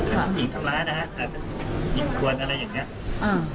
หญิงทำร้ายนะคะกวนอะไรอย่างเงี้ย